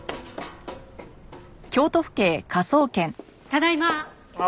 ただいま。